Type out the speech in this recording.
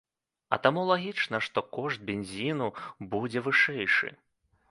А таму лагічна, што кошт бензіну будзе вышэйшы.